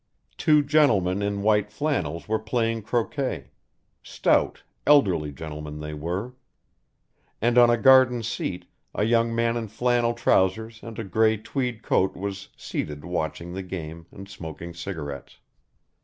Two gentlemen in white flannels were playing croquet; stout elderly gentlemen they were. And on a garden seat a young man in flannel trousers and a grey tweed coat was seated watching the game and smoking cigarettes.